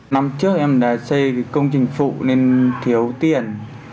năm trước em đã xây công trình phụ nên thiếu tiền